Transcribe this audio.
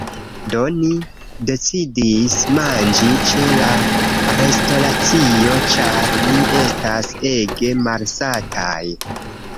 Do, ni decidis manĝi ĉe la restoracio ĉar ni estas ege malsataj